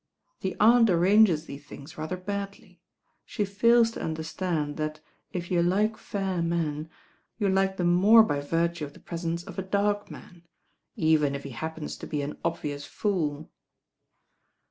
The Aunt arranges these things rather badly. She fails to understand that if you like fair men, you like them more by virtue of the presence of a dark man, even if he happens to be an obvious fool."